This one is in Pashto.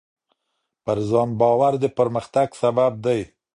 پر ځان باور د پرمختګ سبب دی.